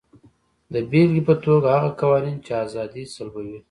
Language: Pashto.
د بېلګې په توګه هغه قوانین چې ازادي سلبوي.